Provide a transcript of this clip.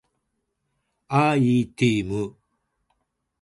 アイテム